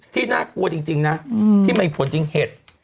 ที่น่ากลัวจริงที่มีผลจริงแห่ด